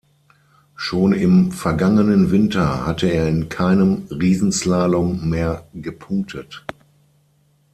Schon im vergangenen Winter hatte er in keinem Riesenslalom mehr gepunktet.